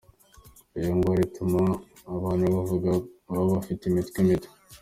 Iyo ngwara ituma abana bavuka baba bafise imitwe mito.